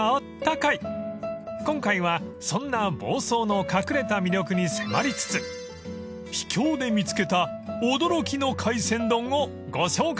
［今回はそんな房総の隠れた魅力に迫りつつ秘境で見つけた驚きの海鮮丼をご紹介します］